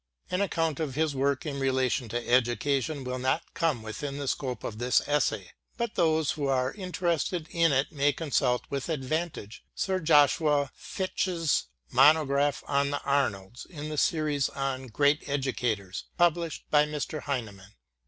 An account of his work in relation to education will not come within the scope of this essay, but those who are interested in it may consult with advan tage Sir Joshua Fitch's monograph on the Arnolds in the series on Great Educators, published by Mr. Heinemann.